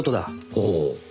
ほう。